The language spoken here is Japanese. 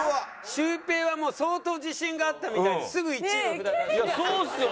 シュウペイはもう相当自信があったみたいですぐ１位の札を。